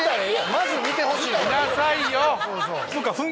まず見てほしい。